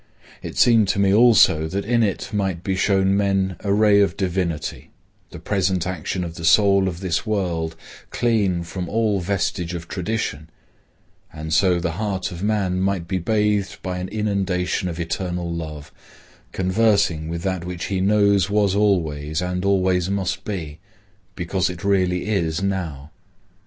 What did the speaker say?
It seemed to me also that in it might be shown men a ray of divinity, the present action of the soul of this world, clean from all vestige of tradition; and so the heart of man might be bathed by an inundation of eternal love, conversing with that which he knows was always and always must be, because it really is now.